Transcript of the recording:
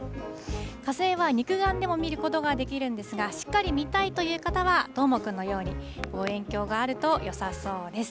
火星は肉眼でも見ることができるんですが、しっかり見たいという方は、どーもくんのように、望遠鏡があるとよさそうです。